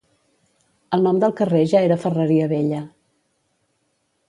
El nom del carrer ja era Ferreria Vella.